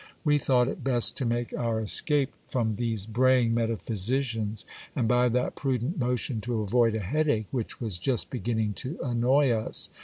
We thought it best to make our escape from these braying metaphysicians, and by that prudent motion to avoid a headache which was just beginning to annoy us.